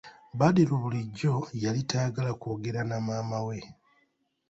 Badru bulijjo yali tayagala kwogera na maama we.